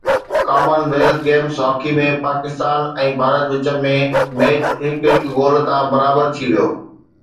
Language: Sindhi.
ڪمن wealth Games hockey ۾ Pakistan ۽ Bharat وچ ۾ ميچ هڪ هڪ گول تان برابر ٿي ويو